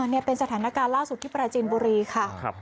นี่เป็นสถานการณ์ล่าสุดที่ปราจีนบุรีค่ะ